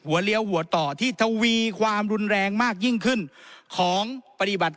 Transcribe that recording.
เลี้ยวหัวต่อที่ทวีความรุนแรงมากยิ่งขึ้นของปฏิบัติ